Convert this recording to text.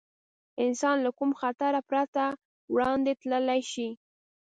انسان له کوم خطر پرته وړاندې تللی شي.